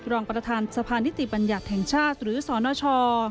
รองประธานสะพานนิติบัญญัติแห่งชาติหรือสนช